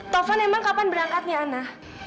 tovan emang kapan berangkatnya ana